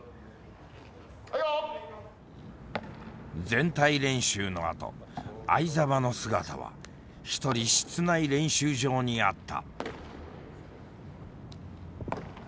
全体練習のあと會澤の姿は一人室内練習場にあった。